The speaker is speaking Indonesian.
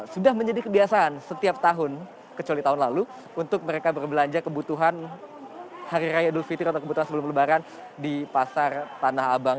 sudah menjadi kebiasaan setiap tahun kecuali tahun lalu untuk mereka berbelanja kebutuhan hari raya idul fitri atau kebutuhan sebelum lebaran di pasar tanah abang